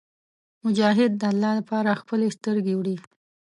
مجاهد د الله لپاره خپلې سترګې وړي.